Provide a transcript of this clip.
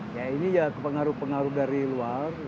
ya ini ya pengaruh pengaruh dari luar